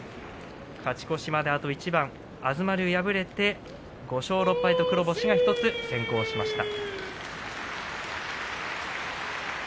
勝ち越しまであと一番東龍、敗れて５勝６敗と黒星が１つ先行しました。